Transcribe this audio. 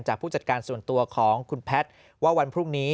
ผู้จัดการส่วนตัวของคุณแพทย์ว่าวันพรุ่งนี้